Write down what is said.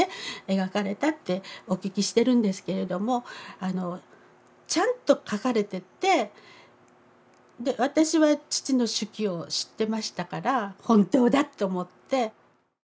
描かれたってお聞きしてるんですけれどもちゃんと書かれてて私は父の手記を知ってましたから本当だと思って。